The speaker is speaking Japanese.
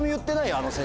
あの先生は。